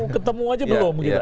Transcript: ketemu aja belum